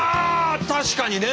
確かにね。